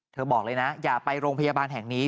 บอกเลยนะอย่าไปโรงพยาบาลแห่งนี้